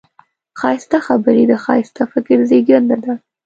ښایسته خبرې د ښایسته فکر زېږنده ده